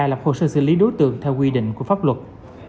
lập hồ sơ xử lý đối tượng theo quy định của pháp luật